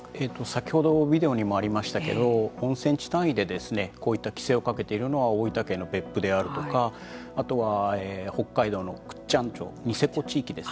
先ほどビデオにもありましたけど温泉地単位でですねこういった規制をかけているのは大分県の別府であるとかあとは北海道の倶知安町ニセコ地域ですね。